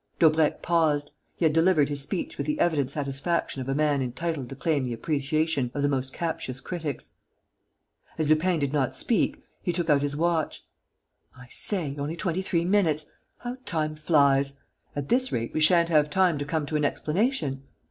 Daubrecq paused. He had delivered his speech with the evident satisfaction of a man entitled to claim the appreciation of the most captious critics. As Lupin did not speak, he took out his watch: "I say! Only twenty three minutes! How time flies! At this rate, we sha'n't have time to come to an explanation."